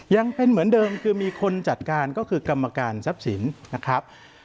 ยังเป็นเหมือนเดิมคือมีคนจัดการก็คือกรรมการทรัพย์สินนะครับ